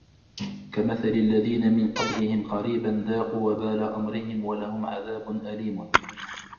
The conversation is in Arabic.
كَمَثَلِ الَّذينَ مِن قَبلِهِم قَريبًا ذاقوا وَبالَ أَمرِهِم وَلَهُم عَذابٌ أَليمٌ